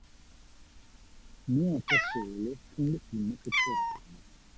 Nuota solo con le pinne pettorali.